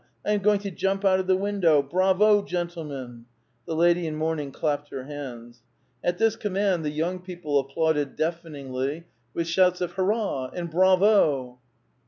"I am going to jump out of the window ! Bravo, gentlemen !" The lady in mourning clapped her hands. At this command the young people 462 A VITAL QUESTION. applauded deafeningly, with shouts of '* hurrah !'* and *' bravo!"